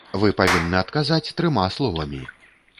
Вы павінны адказаць трыма словамі.